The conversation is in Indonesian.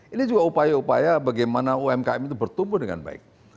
ini juga upaya upaya bagaimana umkm itu bertumbuh dengan baik